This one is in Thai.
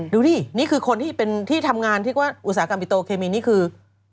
ดูดินี่คือคนที่เป็นที่ทำงานที่ว่าอุตสาหกรรมปิโตเคมีนี่คือ